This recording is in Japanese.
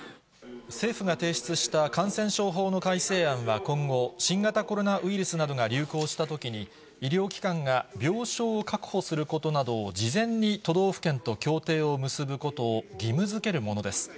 政府が提出した感染症法の改正案は今後、新型コロナウイルスなどが流行したときに、医療機関が病床を確保することなどを事前に都道府県と協定を結ぶことを義務づけるものです。